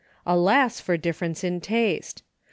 Alas foi difference in taste